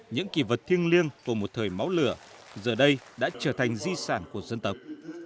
những kỳ vật thiêng liêng của một thời máu lửa giờ đây đã trở thành di sản của dân tộc